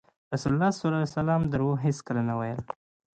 رسول الله ﷺ دروغ هېڅکله نه ویل.